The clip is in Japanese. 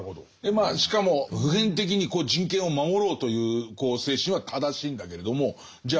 まあしかも普遍的に人権を守ろうという精神は正しいんだけれどもじゃ